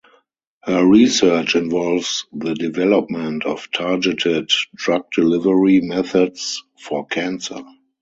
Her research involves the development of targeted drug delivery methods for cancer.